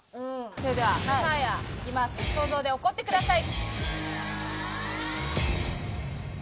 それではサーヤ想像で怒ってください！